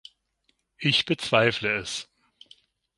Ich bezweifle es.